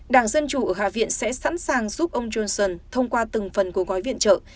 đảng dân chủ ở hạ viện sẽ sẵn sàng giúp ông johnson thông qua từng phần của gói viện trợ